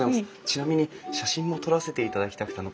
ちなみに写真も撮らせていただきたくて。